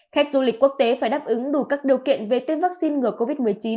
khách du lịch quốc tế phải đáp ứng đủ các điều kiện về tiêm vaccine ngừa covid một mươi chín